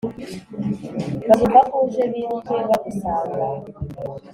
Bazumva ko uje biruke bagusanga